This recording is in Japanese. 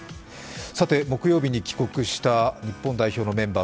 木曜日に帰国した日本代表のメンバー